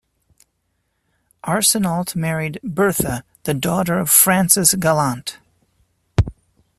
Arsenault married Bertha, the daughter of Francis Gallant.